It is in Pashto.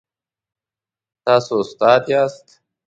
تاسو استاد یاست؟